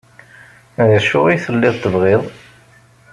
D acu ay telliḍ tebɣiḍ?